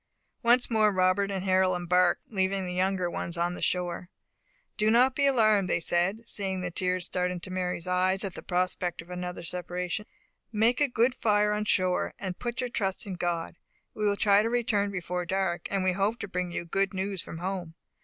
Once more Robert and Harold embarked, leaving the younger ones on the shore. "Do not be alarmed," said they, seeing the tears start into Mary's eyes at the prospect of another separation. "Make a good fire on shore, and put your trust in God. We will try to return before dark; and we hope to bring you good news from home.